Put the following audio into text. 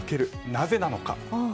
なぜなのか。